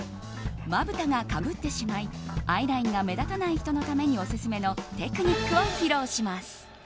まぶたがかぶってしまいアイラインが目立たない人にオススメのテクニックを披露します。